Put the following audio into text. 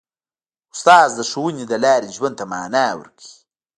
استاد د ښوونې له لارې ژوند ته مانا ورکوي.